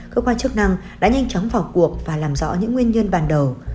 cơ quan chức năng đã nhanh chóng vào cuộc và làm rõ những nguyên nhân ban đầu